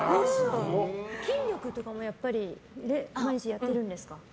筋力とかも毎日やっているんですか。